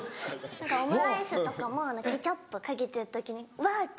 オムライスとかもケチャップかけてる時にうわ！って